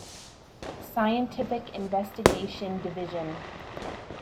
Scientific Investigation Division.